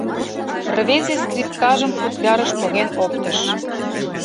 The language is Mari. Рвезе скрипкажым футлярыш поген оптыш.